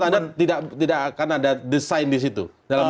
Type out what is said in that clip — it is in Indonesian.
tapi menurut anda tidak akan ada the sign disitu